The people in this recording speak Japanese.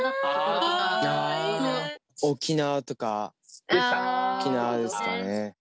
沖縄とか沖縄ですかね。